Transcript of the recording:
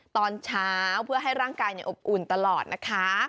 ตอนเช้าเพื่อให้ร่างกายอบอุ่นตลอดนะคะ